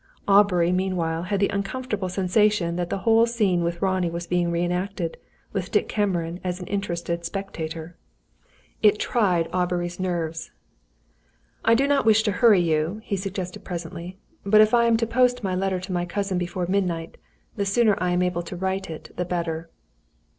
Aubrey, meanwhile, had the uncomfortable sensation that the whole scene with Ronnie was being re acted, with Dick Cameron as an interested spectator. It tried Aubrey's nerves. "I do not wish to hurry you," he suggested presently. "But if I am to post my letter to my cousin before midnight, the sooner I am able to write it, the better."